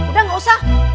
udah nggak usah